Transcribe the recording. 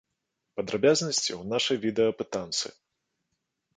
Падрабязнасці ў нашай відэаапытанцы!